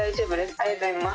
ありがとうございます。